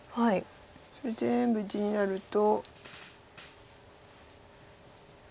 それ全部地になると。